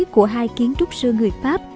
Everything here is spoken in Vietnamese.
của hai kiến trúc sư người pháp